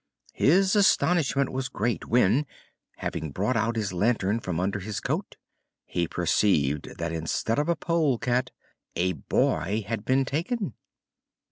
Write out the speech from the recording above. His astonishment was great when, having brought out his lantern from under his coat, he perceived that instead of a polecat a boy had been taken.